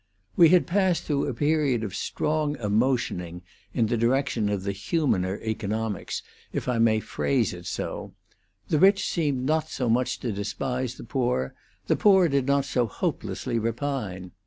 We had passed through a period of strong emotioning in the direction of the humaner economics, if I may phrase it so; the rich seemed not so much to despise the poor, the poor did not so hopelessly repine.